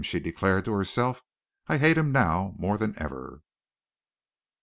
she declared to herself. "I hate him now more than ever!"